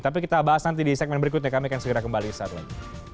tapi kita bahas nanti di segmen berikutnya kami akan segera kembali saat lagi